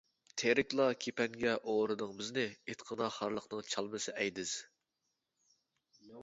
تىرىكلا كېپەنگە ئورىدىڭ بىزنى، ئېيتقىنا خارلىقنىڭ چالمىسى ئەيدىز.